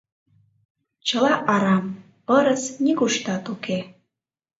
Чыла арам, пырыс нигуштат уке.